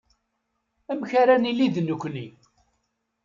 Amek ara nili d nekkni.